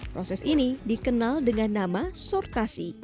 proses ini dikenal dengan nama sortasi